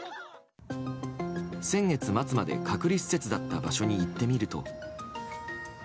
先月末まで隔離施設だった場所に行ってみると。